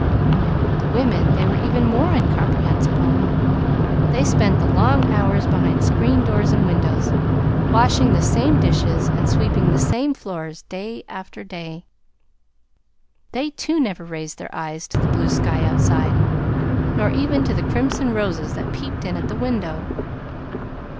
The women they were even more incomprehensible. They spent the long hours behind screened doors and windows, washing the same dishes and sweeping the same floors day after day. They, too, never raised their eyes to the blue sky outside, nor even to the crimson roses that peeped in at the window.